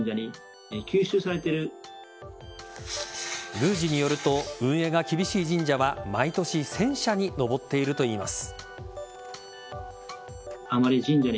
宮司によると運営が厳しい神社は毎年１０００社に上っているといいます。